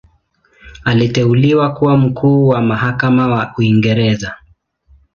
Aliteuliwa kuwa Mkuu wa Mahakama wa Uingereza.